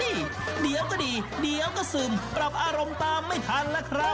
เดี๋ยวก็ดีเดี๋ยวก็ซึมปรับอารมณ์ตามไม่ทันนะครับ